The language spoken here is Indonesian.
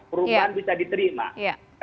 perubahan bisa diterima